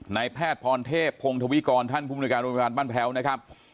ในแพทย์พรเทพพงธวิกรท่านภูมิการบริการบ้านแพ้วนะครับ